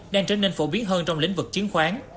đang trở nên phổ biến hơn trong lĩnh vực chiến khoán